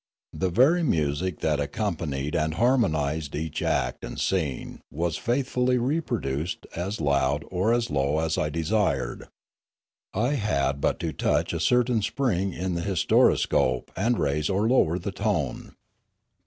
The very Fialume 85 music that accompanied and harmonised each act and scene was faithfully reproduced as loud or as low as I desired. I had but to touch a certain spring in the historoscope, and raise or lower the tone.